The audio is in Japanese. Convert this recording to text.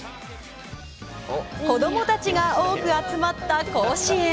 子供たちが多く集まった甲子園。